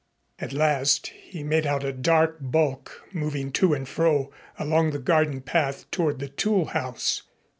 At last he made out a dark bulk moving to and fro along the garden path toward the toolhouse.